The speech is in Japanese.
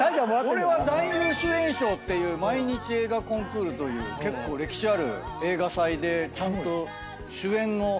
俺は男優主演賞っていう毎日映画コンクールという結構歴史ある映画祭でちゃんと主演の男優賞もらってるんですよ。